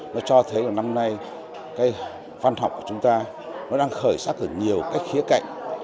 nó cho thấy là năm nay cái văn học của chúng ta nó đang khởi sắc ở nhiều các khía cạnh